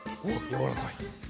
おっやわらかい。